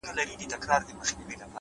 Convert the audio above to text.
پوه انسان د هر حالت مانا لټوي’